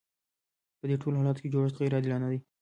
په دې ټولو حالاتو کې جوړښت غیر عادلانه دی.